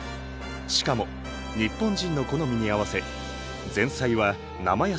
しかも日本人の好みに合わせ前菜は生野菜のサラダ。